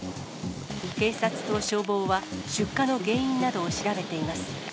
警察と消防は、出火の原因などを調べています。